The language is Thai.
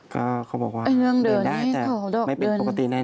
ก็เขาบอกว่าเดินได้แต่ไม่เป็นปกติแน่